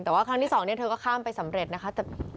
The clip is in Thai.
แต่ว่าครั้งที่สองเนี่ยเธอก็ข้ามไปสำเร็จนะคะ